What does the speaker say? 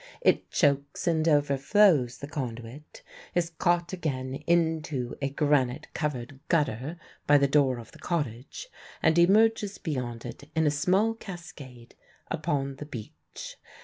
It chokes and overflows the conduit, is caught again into a granite covered gutter by the door of the cottage, and emerges beyond it in a small cascade upon the beach.